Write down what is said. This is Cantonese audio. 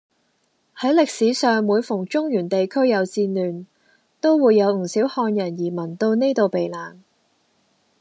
喺歷史上每逢中原地區有戰亂，都會有唔少漢人移民到呢度避難